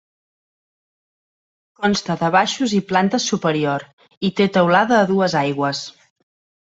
Consta de baixos i planta superior, i té teulada a dues aigües.